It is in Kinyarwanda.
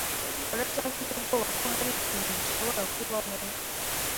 Uracyafite ubwoba ko hari ikintu gishobora kubaho?